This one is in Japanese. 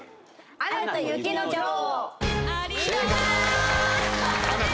『アナと雪の女王』